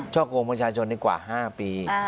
อกโกงประชาชนดีกว่า๕ปี